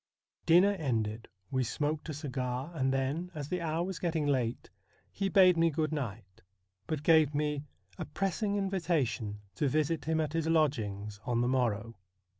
Dinner ended, we smoked a cigar, and then, as the hour was getting late, he bade me good night, but gave me a pressing invitation to visit him at his lodgings on the morrow.